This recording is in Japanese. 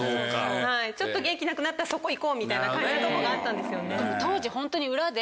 ちょっと元気なくなったらそこ行こうみたいな感じのとこがあったんですよね。